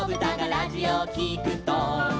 「ラジオをきくと」